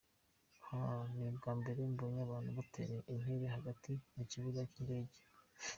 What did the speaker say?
hhhh ni ubwa mbere mbonye abantu batera intebe hagati mu kibuga cy’indege!.